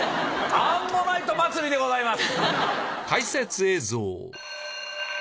アンモナイト祭りでございます。